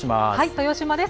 豊島です。